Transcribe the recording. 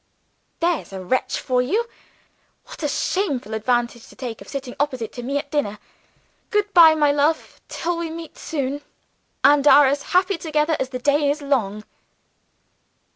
There's a wretch for you. What a shameful advantage to take of sitting opposite to me at dinner! Good by, my love, till we meet soon, and are as happy together as the day is long."